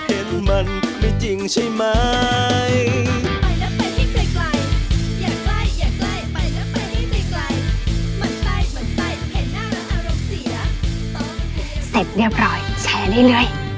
เสร็จเรียบร้อยแชร์ได้เลย